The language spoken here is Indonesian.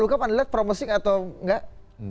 itu bisa sangat kompromis atau enggak